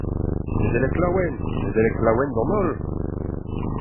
Nedeleg laouen, Nedeleg laouen d'an holl !